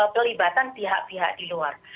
pelibatan pihak pihak di luar